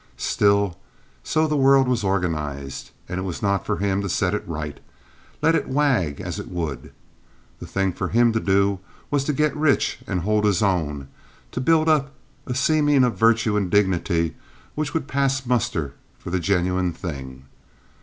Still, so the world was organized, and it was not for him to set it right. Let it wag as it would. The thing for him to do was to get rich and hold his own—to build up a seeming of virtue and dignity which would pass muster for the genuine thing.